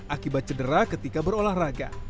akibat cedera ketika berolahraga